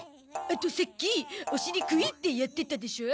あとさっきお尻クイッてやってたでしょ？